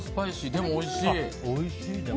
でも、おいしい。